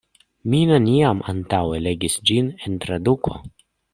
Mi neniam antaŭe legis ĝin en traduko.